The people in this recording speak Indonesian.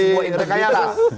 oh bukan bagian dari rekayasa